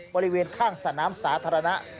บริเวณข้างสนามสาธารณะ